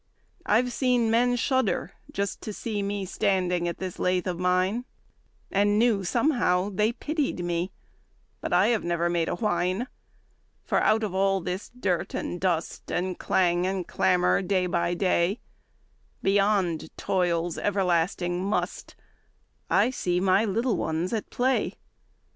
I've seen men shudder just to see Me standing at this lathe of mine, And knew somehow they pitied me, But I have never made a whine; For out of all this dirt and dust And clang and clamor day by day, Beyond toil's everlasting "must," I see my little ones at play.